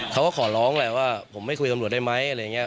เขาก็ขอร้องแหละว่าผมไม่คุยกับตำรวจได้ไหมอะไรอย่างนี้